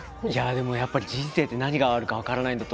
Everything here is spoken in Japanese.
でもやっぱり人生って何があるか分からないんだと。